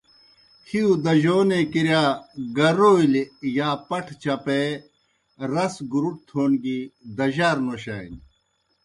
ہِیؤ دجونے کِرِیا گَرَولیْ یا پٹھہ چَپَے، رس گُرُٹ تھون گیْ دجار نوشانیْ۔